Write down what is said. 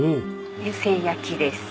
湯せん焼きです。